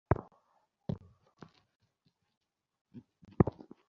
দরজার আড়ালে লুকিয়ে শুনতে লেগেছে।